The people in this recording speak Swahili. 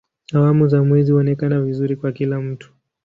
Awamu za mwezi huonekana vizuri kwa kila mtu.